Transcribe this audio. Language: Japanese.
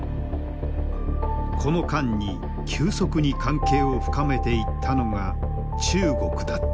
この間に急速に関係を深めていったのが中国だった。